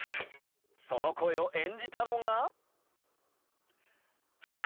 その声を演じたのが。